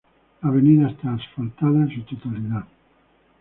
La avenida está asfaltada en su totalidad.